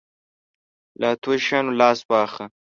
له اتو شیانو لاس واخله.